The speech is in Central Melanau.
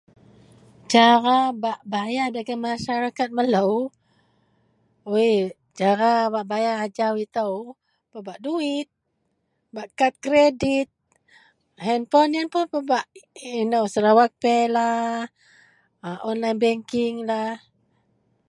cara bak bayar dagen masyarakat melou, uii cara bak bayar ajau itou, pebak duit, bak kad kreadit, handpon ien pun pebak inou sarawak paylah, online bankinglah